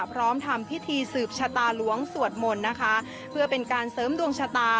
พร้อมทำพิธีสืบชะตาหลวงสวดมนต์นะคะเพื่อเป็นการเสริมดวงชะตา